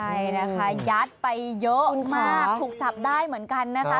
ใช่นะคะยัดไปเยอะมากถูกจับได้เหมือนกันนะคะ